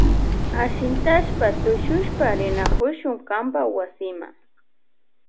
Ashintashpa tushushpa rinakushun kanpa wasima.